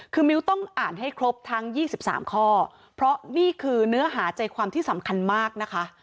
คือมิ้วต้องอ่านให้ครบทั้ง๒๓ข้อเพราะนี่คือเนื้อหาใจความที่สำคัญมากนะคะ